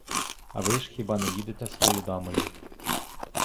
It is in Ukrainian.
А ви ж хіба не їдете з тою дамою.